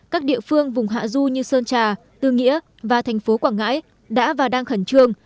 các địa phương vùng hạ du như sơn trà tư nghĩa và thành phố quảng ngãi đã và đang khẩn trương